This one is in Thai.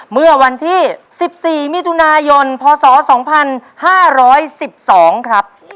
เมื่อวันที่สิบสี่มิถุนายนพศสองพันห้าร้อยสิบสองครับ